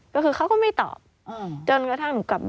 ก็คือเขาก็ไม่ตอบ